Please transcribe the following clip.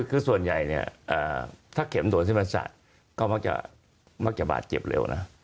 คือส่วนใหญ่ถ้าเข็มโดนเส้นประสาทก็มักจะบาดเจ็บเร็วนะ